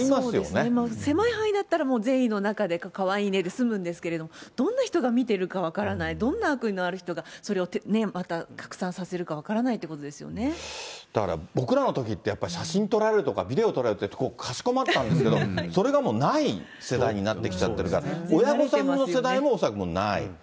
そうですね、狭い範囲だったら、もう善意の中でかわいいねで済むんですけれど、どんな人が見てるか分からない、どんな悪意のある人がそれをまた拡散させるか分からないってことだから、僕らのときって、やっぱり写真撮られるとか、ビデオ撮られるってかしこまったんですけど、それがない世代になってきちゃってるから、親御さんの世代も恐らくもうない。